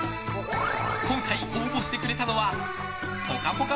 今回、応募してくれたのは「ぽかぽか」